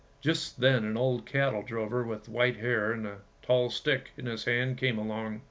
Just then an old cattle drover with white hair and a tall stick in his hand came along.